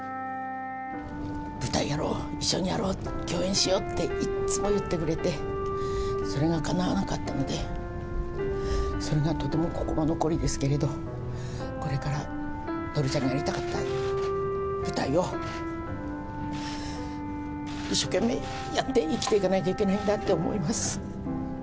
舞台やろう、一緒にやろう、共演しようっていっつも言ってくれて、それがかなわなかったので、それがとても心残りですけれど、これから徹ちゃんのやりたかった舞台を、一生懸命やって生きていかないといけないんだと思います。